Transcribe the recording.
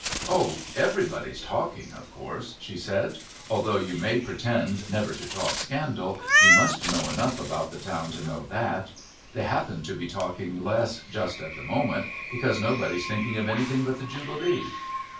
"Oh, everybody's talking, of course," she said. "Although you pretend never to talk scandal you must know enough about the town to know that. They happen to be talking less just at the moment because nobody's thinking of anything but the Jubilee."